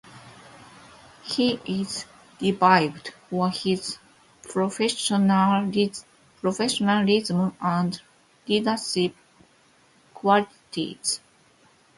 He is revered for his professionalism and leadership qualities.